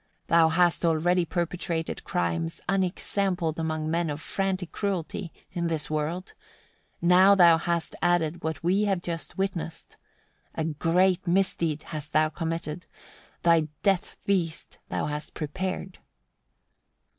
Thou hast already perpetrated crimes unexampled among men of frantic cruelty, in this world: now thou hast added what we have just witnessed. A great misdeed hast thou committed, thy death feast thou hast prepared.